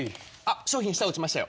商品下落ちましたよ。